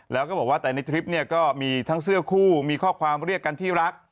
แล้วก็บอกว่าแต่ในทริปเนี่ยก็มีทั้งเสื้อคู่มีข้อความเรียกกันที่รัก